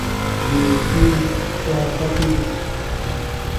Winsi swa dakibu.